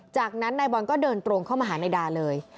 จากนั้นนายบอลก็เดินตรงเข้ามาหานายดาเลย